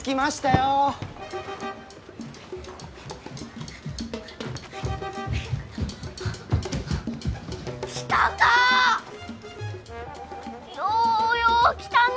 ようよう来たのう！